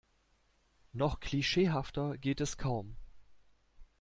Noch klischeehafter geht es kaum.